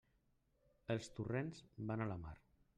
Els torrents van a la mar.